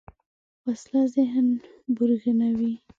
وسله ذهن بوږنوې